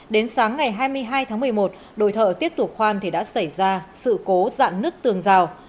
đến sáng ngày hai mươi hai tháng một mươi một đội thợ tiếp tục khoan thì đã xảy ra sự cố dạn nứt tường rào